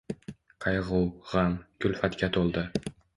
Qayg‘u, g‘am, kulfatga to‘ldi.